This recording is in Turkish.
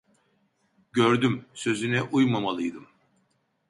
Gördüm, sözüne uymamalıydım…